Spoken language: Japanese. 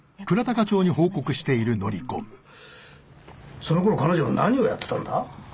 その頃彼女は何をやってたんだ？